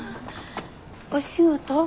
お仕事？